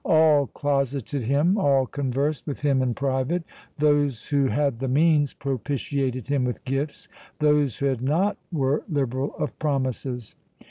All closeted him, all conversed with him in private; those who had the means propitiated him with gifts, those who had not were liberal of promises.